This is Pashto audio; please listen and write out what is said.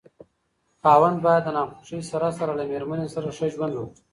خاوند بايد د ناخوښۍ سره سره له ميرمني سره ښه ژوند وکړي